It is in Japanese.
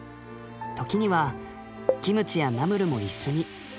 時にはキムチやナムルも一緒に。